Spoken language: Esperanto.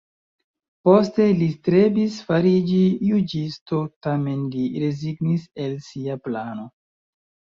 Poste li strebis fariĝi juĝisto tamen li rezignis el sia plano.